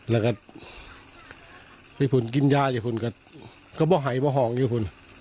แล้วก็ไปพ่อกินยาอยู่พ่อก็ไม่ไหวมาห่องอยู่พ่อ